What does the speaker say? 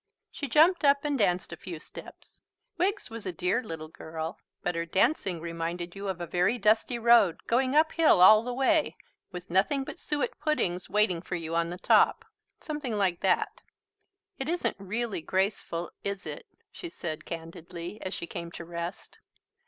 She jumped up and danced a few steps. Wiggs was a dear little girl, but her dancing reminded you of a very dusty road going up hill all the way, with nothing but suet puddings waiting for you on the top. Something like that. "It isn't really graceful, is it?" she said candidly, as she came to rest.